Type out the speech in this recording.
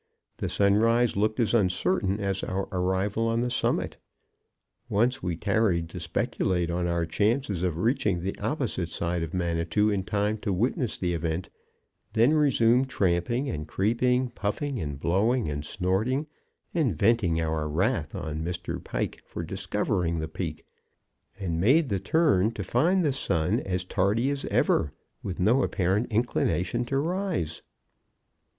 The sunrise looked as uncertain as our arrival on the summit. Once, we tarried to speculate on our chances of reaching the opposite side of Manitou in time to witness the event, then resumed tramping and creeping, puffing and blowing and snorting, and venting our wrath on Mr. Pike for discovering the peak, and made the turn to find the sun as tardy as ever, with no apparent inclination to rise.